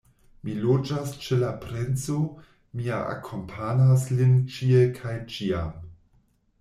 Mi loĝas ĉe la princo, mia akompanas lin ĉie kaj ĉiam.